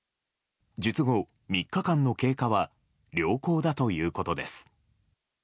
術後３日間の経過は良好だということです。